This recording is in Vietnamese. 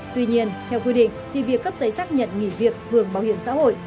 tuy nhiên theo quy định thì việc cấp giấy xác nhận nghỉ việc hưởng bảo hiểm xã hội